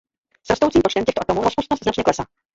S rostoucím počtem těchto atomů rozpustnost značně klesá.